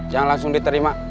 jangan langsung diterima